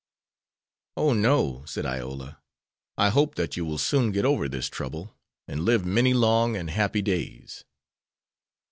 "Oh, no," said Iola, "I hope that you will soon get over this trouble, and live many long and happy days."